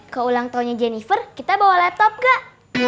ke ulang tahunnya jennifer kita bawa laptop gak